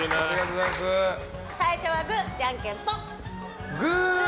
最初はグー、じゃんけんぽん！